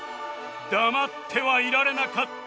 黙ってはいられなかった